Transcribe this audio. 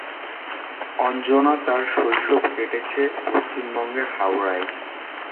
অঞ্জনা তার শৈশব কেটেছে পশ্চিমবঙ্গের হাওড়ায়।